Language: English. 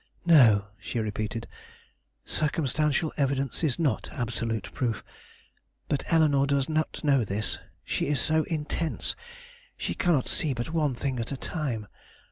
"No," she repeated; "circumstantial evidence is not absolute proof, but Eleanore does not know this. She is so intense; she cannot see but one thing at a time.